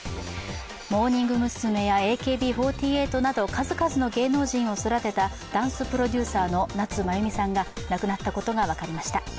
モーニング娘やＡＫＢ４８など数々の芸能人を育てたダンスプロデューサーの夏まゆみさんが亡くなったことが分かりました。